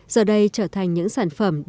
giờ đây trở thành những sản phẩm đề phương